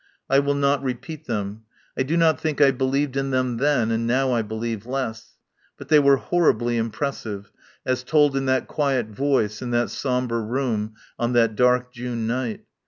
I will not repeat them. I do not think I believed in them then, and now I believe less. But they were horribly impressive, as told in that quiet voice in that sombre room on that dark June night.